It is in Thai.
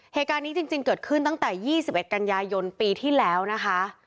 เหตุการณ์นี้จริงเกิดขึ้นตั้งแต่๒๑กันยายนปีที่แล้วนะคะ